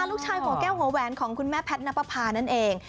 ลูกชายหัวแก้วหัวแหวนของคุณแม่แพทย์นับประพานั่นเอง